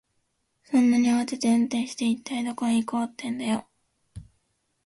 そんなに慌てて運転して、一体どこへ行こうってんだよ。